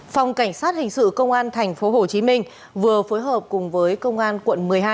phòng cảnh sát hình sự công an tp hcm vừa phối hợp cùng với công an quận một mươi hai